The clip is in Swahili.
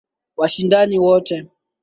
washindani wote.